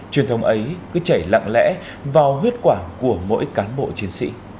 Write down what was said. truyền thông ấy cứ chảy lặng lẽ vào huyết quản của mỗi cán bộ chiến sĩ